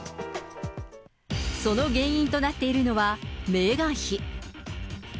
その原因となっているのはメーガン妃。